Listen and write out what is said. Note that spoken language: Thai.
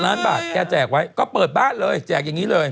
ล้านบาทแกแจกไว้ก็เปิดบ้านเลยแจกอย่างนี้เลย